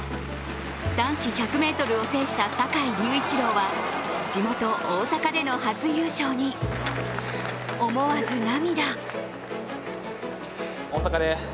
男子１００ｍを制した坂井隆一郎は地元・大阪での初優勝に思わず涙。